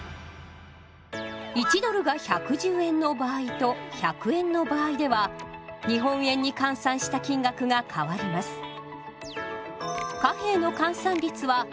１ドルが１１０円の場合と１００円の場合では日本円に換算した金額が変わります。